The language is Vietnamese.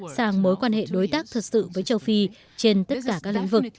sang mối quan hệ đối tác thật sự với châu phi trên tất cả các lĩnh vực